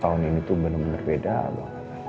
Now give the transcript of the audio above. tahun ini tuh bener bener beda